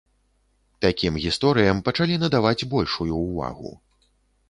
Такім гісторыям пачалі надаваць большую ўвагу.